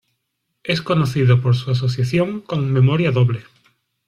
Es conocido por su asociación con memoria doble.